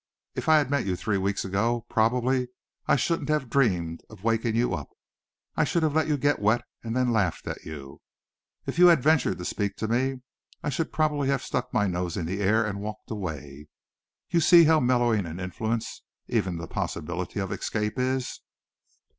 If I had met you three weeks ago, probably I shouldn't have dreamed of waking you up. I should have let you get wet and then laughed at you. If you had ventured to speak to me, I should probably have stuck my nose in the air and walked away. You see how mellowing an influence even the possibility of escape is."